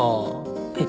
えっ？